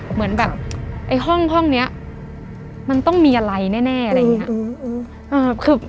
เหมือนแบบไอ้ห้องนี้มันต้องมีอะไรแน่อะไรอย่างนี้